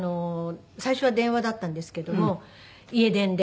最初は電話だったんですけども家電で。